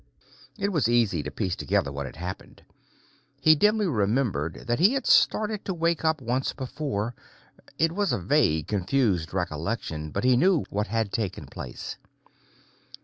It was easy to piece together what had happened. He dimly remembered that he had started to wake up once before. It was a vague, confused recollection, but he knew what had taken place.